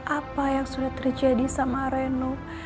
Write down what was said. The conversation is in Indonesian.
apa yang sudah terjadi sama reno